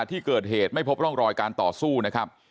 ที่เกิดเหตุไม่พบร่องรอยการต่อสู้นะครับ